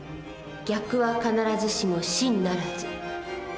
「逆は必ずしも真ならず」。